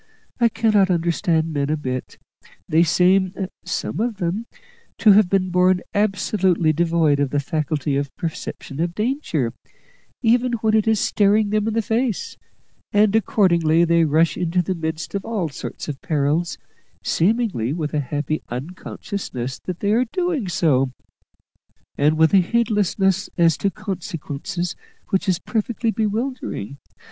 I cannot understand men a bit. They seem some of them to have been born absolutely devoid of the faculty of perception of danger, even when it is staring them in the face; and accordingly they rush into the midst of all sorts of perils, seemingly with a happy unconsciousness that they are doing so, and with a heedlessness as to consequences which is perfectly bewildering.